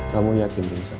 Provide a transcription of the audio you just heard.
kamu yakin pingsan